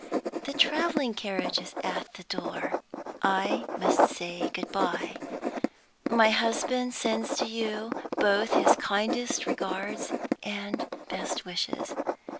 "The traveling carriage is at the door: I must say good by. My husband sends to you both his kindest regards and best wishes.